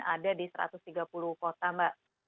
ada di satu ratus tiga puluh kota mbak